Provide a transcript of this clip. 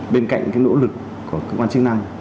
bên cạnh nỗ lực của công an chức năng